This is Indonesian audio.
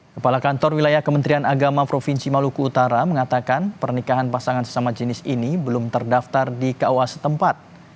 kepala kantor wilayah kementerian agama provinsi maluku utara mengatakan pernikahan pasangan sesama jenis ini belum terdaftar di kua setempat